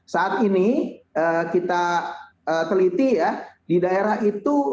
saat ini kita teliti ya di daerah itu